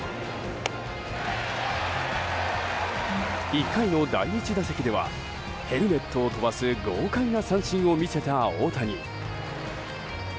１回の第１打席ではヘルメットを飛ばす豪快な三振を見せた大谷。